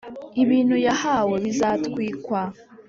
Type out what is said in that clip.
ibintu yahawe bizatwikwa